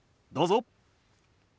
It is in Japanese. どうぞ。